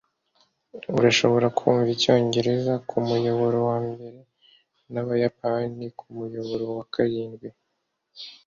Urashobora kumva icyongereza kumuyoboro wa mbere nabayapani kumuyoboro wa karindwi